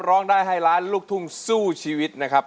ร้องได้ให้ล้านลูกทุ่งสู้ชีวิตนะครับ